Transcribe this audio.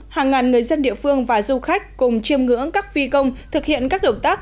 hàng ngàn người dân địa phương và du khách cùng chiêm ngưỡng các phi công thực hiện các động tác